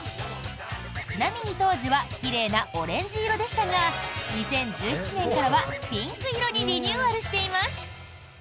ちなみに当時は奇麗なオレンジ色でしたが２０１７年からはピンク色にリニューアルしています。